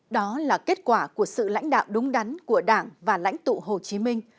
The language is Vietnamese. đó là kết quả của sự lãnh đạo đúng đắn của đảng và lãnh tụ hồ chí minh